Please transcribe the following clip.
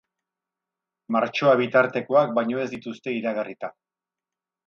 Martxoa bitartekoak baino ez dituzte iragarrita.